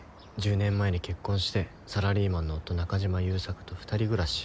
１０年前に結婚してサラリーマンの夫中島勇作と２人暮らし。